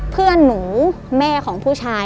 เพื่อนหนูแม่ของผู้ชาย